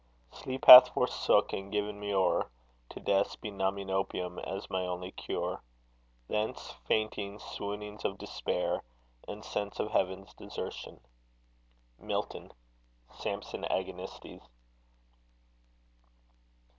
Sleep hath forsook and given me o'er To death's benumming opium as my only cure, Thence faintings, swoonings of despair, And sense of heaven's desertion. MILTON . Samson Agonistes.